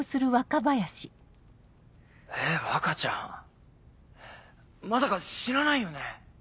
え若ちゃんまさか死なないよね？